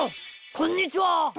こんにちは！